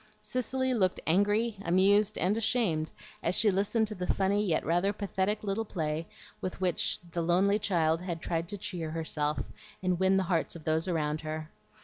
Cicely looked angry, amused, and ashamed, as she listened to the funny yet rather pathetic little play with which the lonely child had tried to cheer herself and win the hearts of those about her.